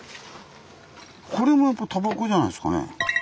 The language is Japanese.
これもやっぱたばこじゃないですかね？